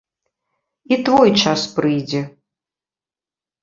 І твой час прыйдзе.